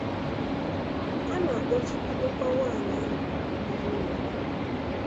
a na-akpọchibidokwa nwaanyị ahụ n'ime ụlọ